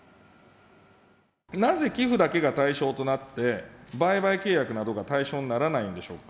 なぜ寄付だけが対象となって、売買契約などが対象にならないんでしょうか。